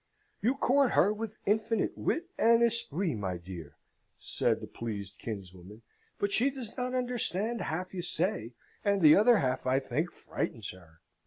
"You court her with infinite wit and esprit, my dear," says my pleased kinswoman, "but she does not understand half you say, and the other half, I think, frightens her.